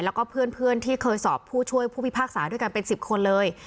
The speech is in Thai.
แล้วก็เพื่อนที่เคยสอบผู้ช่วยผู้พิพากษาด้วยกันเป็น๑๐คนเลย